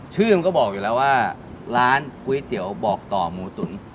มันก็บอกอยู่แล้วว่าร้านก๋วยเตี๋ยวบอกต่อหมูตุ๋น